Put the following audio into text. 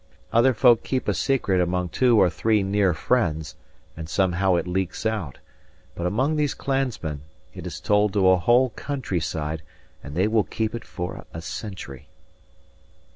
Other folk keep a secret among two or three near friends, and somehow it leaks out; but among these clansmen, it is told to a whole countryside, and they will keep it for a century.